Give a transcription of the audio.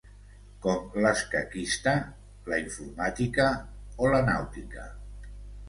Com l'escaquista, la informàtica o la nàutica.